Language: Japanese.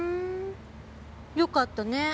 よかったね。